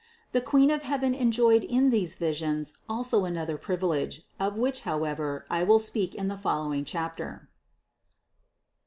The Queen of heaven enjoyed in these visions also an other privilege, of which, however, I will speak in the following chapter.